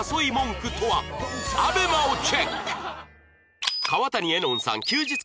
ＡＢＥＭＡ をチェック